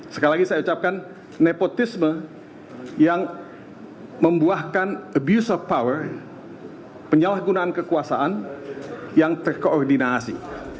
sekali lagi saya ucapkan nepotisme yang membuahkan abuse of power penyalahgunaan kekuasaan yang terkoordinasi